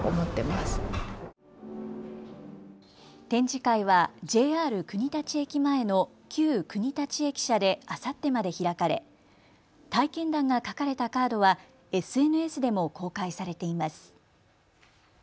展示会はＪＲ国立駅前の旧国立駅舎であさってまで開かれ体験談が書かれたカードはＳＮＳでも公開されています。